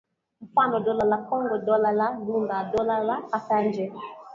mfano Dola la Kongo Dola la Lunda na Dola la Kasanje